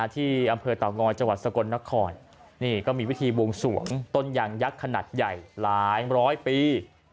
ที่อำเภอเตางอยจังหวัดสกลนครนี่ก็มีวิธีบวงสวงต้นยางยักษ์ขนาดใหญ่หลายร้อยปี